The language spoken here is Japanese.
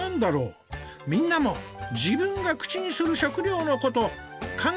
みんなも自分が口にする食糧のこと考えてみない？